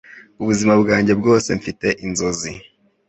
Ubuzima bwanjye bwose Mfite inzozi